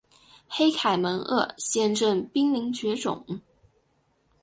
黑凯门鳄现正濒临绝种。